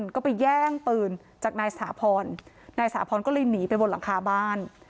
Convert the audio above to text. ก็ไปแย่งปืนจากนายสถาพรนายสาพรก็เลยหนีไปบนหลังคาบ้าน